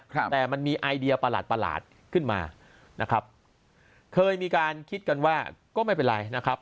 ครับแต่มันมีไอเดียประหลาดประหลาดขึ้นมานะครับเคยมีการคิดกันว่าก็ไม่เป็นไรนะครับ